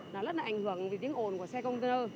rất là ảnh hưởng vì tiếng ồn của xe công tơ